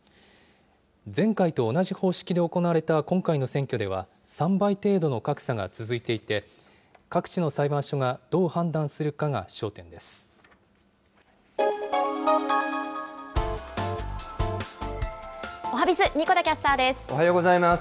前回と同じ方式で行われた今回の選挙では３倍程度の格差が続いていて、各地の裁判所がどう判断すおはＢｉｚ、おはようございます。